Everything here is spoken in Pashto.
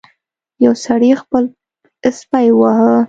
یو سړي خپل سپی وواهه.